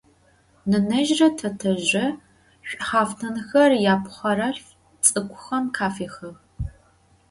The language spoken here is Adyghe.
Nenezjre tetezjre ş'uhaftınxer yapxhorelhf ts'ık'uxem khafihığ.